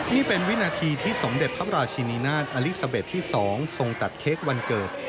นี่เป็นวินาทีที่สมเด็จพระราชินีนาฏอลิซาเบสที่๒ทรงตัดเค้กวันเกิด